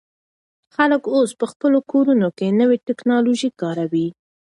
خلک اوس په خپلو کورونو کې نوې ټیکنالوژي کاروي.